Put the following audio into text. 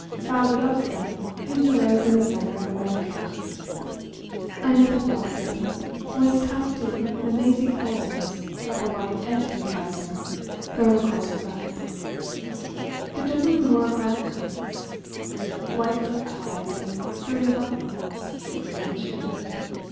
Frau Godowska pinned a rose in the centre of her reticule; another blossom was tucked in the mazy folds of a white antimacassar thrown across her breast. The gentlemen wore black coats, white silk ties and ferny buttonholes tickling the chin.